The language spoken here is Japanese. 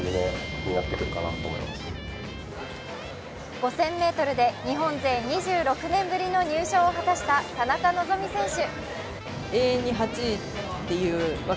５０００ｍで日本勢２６年ぶりの入賞を果たした田中希実選手。